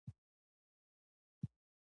اکبر جان په رمازه کې پوهوه چې پسه حلال شوی.